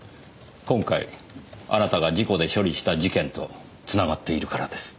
今回あなたが事故で処理した事件とつながっているからです。